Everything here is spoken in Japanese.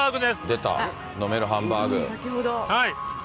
出た、飲めるハンバーグ。